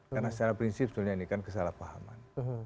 karena secara prinsip ini kan kesalahpahaman